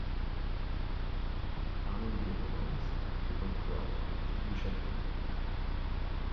Parmi les dépendances, on trouve un cloître, au sud du château.